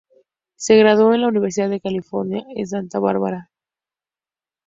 Se graduó en la Universidad de California, en Santa Bárbara.